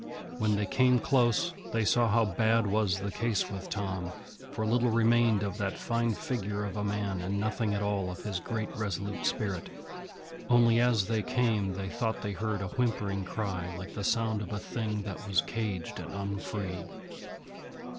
When they came close, they saw how bad was the case with Tom, for little remained of that fine figure of a man and nothing at all of his great resolute spirit, only as they came they thought they heard a whimpering cry like the sound of a thing that was caged and unfree.